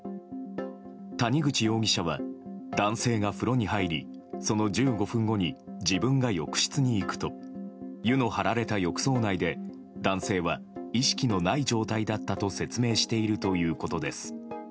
谷口容疑者は男性が風呂に入りその１５分後に自分が浴室に行くと湯の張られた浴槽内で男性は意識のない状態だったと説明しているということです。